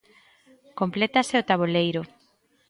Complétase o taboleiro.